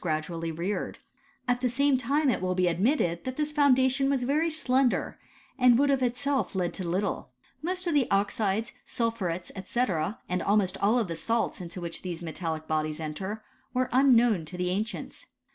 71 p;adually reared : at the same time it will be admitted that this foundation was very slender, and would of itself have led to little. Most of the oxides, sul phurets, &c., and almost all the salts into which these metallic bodies enter, were unknown to the ancients.